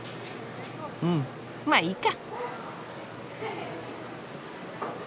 うんまぁいいか！